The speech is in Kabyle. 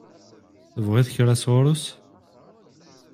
Tebɣiḍ kra sɣur-s?